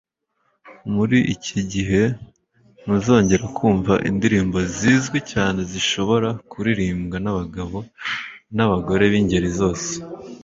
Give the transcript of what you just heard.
Muri iki gihe ntuzongera kumva indirimbo zizwi cyane zishobora kuririmbwa nabagabo nabagore bingeri zose